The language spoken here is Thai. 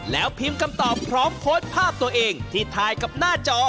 แล้วพิมพ์คำตอบพร้อมโพสต์ภาพตัวเองที่ถ่ายกับหน้าจอ